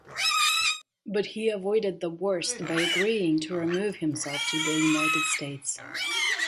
But he avoided the worst by agreeing to remove himself to the United States.